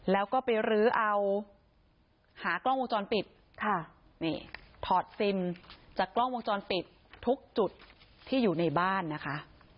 แล้วก็ไปรื้อเอาหากล้องวงจรปิดค่ะนี่ถอดซิมจากกล้องวงจรปิดทุกจุดที่อยู่ในบ้านนะคะ